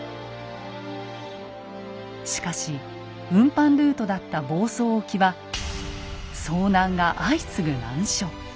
しかし運搬ルートだった房総沖は遭難が相次ぐ難所。